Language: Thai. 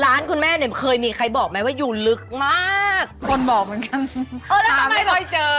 ร้านคุณแม่เนี่ยเคยมีใครบอกไหมว่าอยู่ลึกมากคนบอกเหมือนกันหาไม่ค่อยเจอ